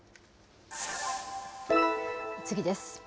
次です。